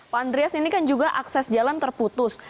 pak andreas ini kan juga akses jalan terputus